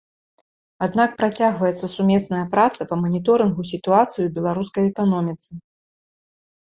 Аднак працягваецца сумесная праца па маніторынгу сітуацыі ў беларускай эканоміцы.